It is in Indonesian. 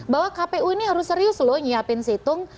bahwa kpu ini harus serius loh nyiapin situng